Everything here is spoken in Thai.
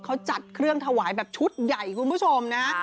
เขาจัดเครื่องถวายแบบชุดใหญ่คุณผู้ชมนะ